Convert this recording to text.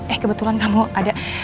eh kebetulan kamu ada